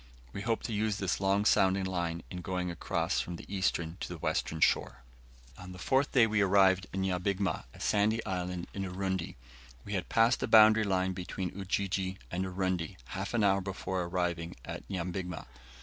We hope to use this long sounding line in going across from the eastern to the western shore. On the fourth day we arrived at Nyabigma, a sandy island in Urundi. We had passed the boundary line between Ujiji and Urundi half an hour before arriving at Nyabigma.